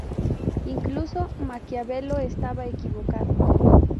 Incluso Maquiavelo estaba equivocado.